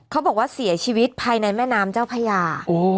เขาบอกว่าเสียชีวิตภายในแม่น้ำเจ้าพญา